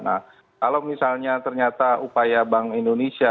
nah kalau misalnya ternyata upaya bank indonesia